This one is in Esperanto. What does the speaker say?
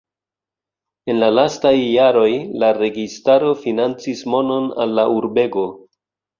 En la lastaj jaroj la registaro financis monon al la urbego.